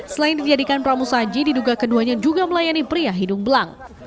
selain dijadikan pramu saji diduga keduanya juga melayani pria hidung belang